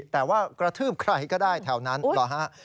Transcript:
แต่ว่ากระทืบใครก็ได้แถวนั้นเหรอฮะ